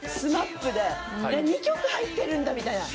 ＳＭＡＰで２曲入ってるんだみたいな。